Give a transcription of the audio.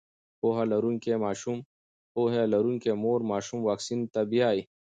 پوهه لرونکې مور ماشوم واکسین ته بیايي.